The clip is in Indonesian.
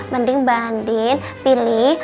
mending mbak andin pilih